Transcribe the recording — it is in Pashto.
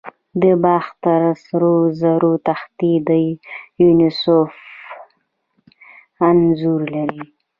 د باختر سرو زرو تختې د دیونوسوس انځور لري